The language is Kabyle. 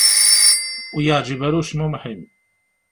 Ur i-yeεǧib ara ucmumeḥ-im.